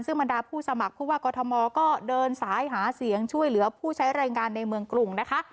ซึ่งบรรดาผู้สมัครผู้ว่ากอทมก็เดินสายหาเสียงช่วยเหลือผู้ใช้รายงานในเมืองกรุงนะคะ